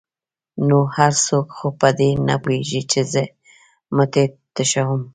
ـ نو هر څوک خو په دې نه پوهېږي چې زه مټۍ تشوم.